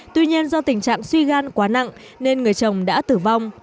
tuy nhiên do tình trạng suy gan quá nặng nên người chồng đã tử vong